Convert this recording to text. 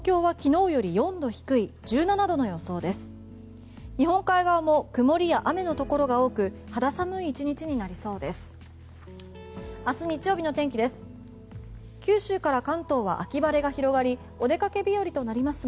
日本海側も曇りや雨のところが多く肌寒い１日になりそうです。